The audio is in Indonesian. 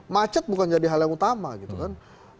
macet bukan jadi hal yang utama gitu kan